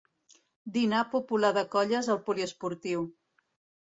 Dinar popular de colles al poliesportiu.